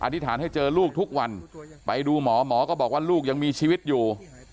ธิษฐานให้เจอลูกทุกวันไปดูหมอหมอก็บอกว่าลูกยังมีชีวิตอยู่